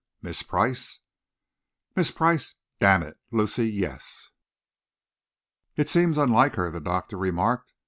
"Miss Price?" "Miss Price, d n it! Lucy yes!" "It seems unlike her," the doctor remarked.